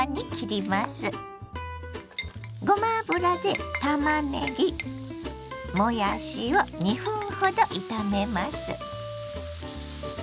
ごま油でたまねぎもやしを２分ほど炒めます。